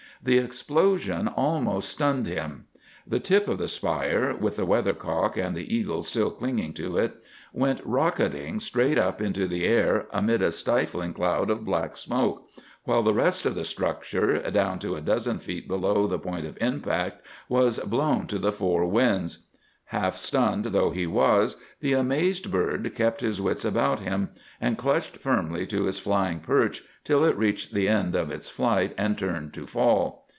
The explosion almost stunned him. The tip of the spire—with the weather cock, and the eagle still clinging to it—went rocketing straight up into the air amid a stifling cloud of black smoke, while the rest of the structure, down to a dozen feet below the point of impact, was blown to the four winds. Half stunned though he was, the amazed bird kept his wits about him, and clutched firmly to his flying perch till it reached the end of its flight and turned to fall.